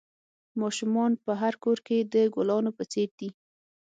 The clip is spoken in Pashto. ماشومان په هر کور کې د گلانو په څېر دي.